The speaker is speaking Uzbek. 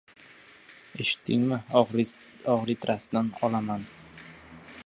Eshitdingmi, og‘ritraasdan olaman.